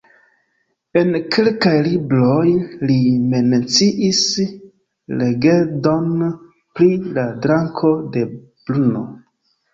En kelkaj libroj li menciis legendon pri la Drako de Brno.